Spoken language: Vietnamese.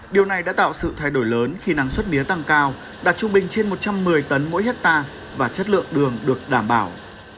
điều này đã tạo sự thay đổi lớn khi năng suất mía tăng cao đạt trung bình trên một trăm một mươi tấn mỗi hectare và chất lượng đường được đảm bảo